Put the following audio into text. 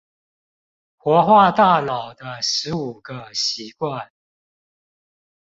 活化大腦的十五個習慣